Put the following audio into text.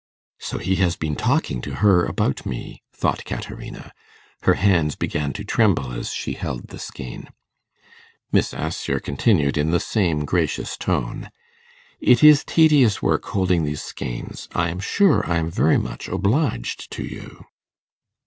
'So he has been talking to her about me,' thought Caterina. Her hands began to tremble as she held the skein. Miss Assher continued in the same gracious tone: 'It is tedious work holding these skeins. I am sure I am very much obliged to you.